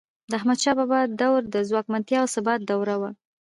د احمدشاه بابا دور د ځواکمنتیا او ثبات دور و.